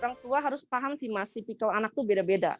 orang tua harus paham sih mas tipikal anak itu beda beda